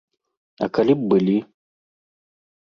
А калі б былі?